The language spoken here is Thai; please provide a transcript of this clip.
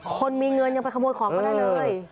คนมีเงินยังไปขโมยของก็ได้เลย